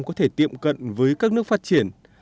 có thể tiệm cận với các nước phát triển